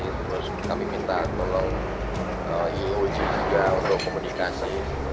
terus kami minta tolong ioc juga untuk komunikasi